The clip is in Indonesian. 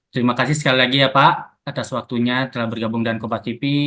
terima kasih sekali lagi ya pak atas waktunya telah bergabung dengan kompaktivity